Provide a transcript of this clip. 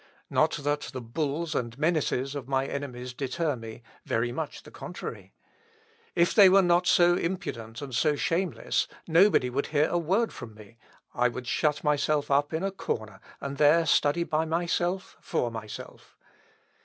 Not that the bulls and menaces of my enemies deter me; very much the contrary. If they were not so impudent and so shameless, nobody would hear a word from me; I would shut myself up in a corner, and there study by myself for myself.